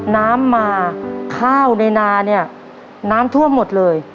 น้ำมาข้าวในนาเนี่ยน้ำท่วมหมดเลย